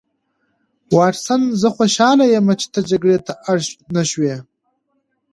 واټسن زه خوشحاله یم چې ته جګړې ته اړ نشوې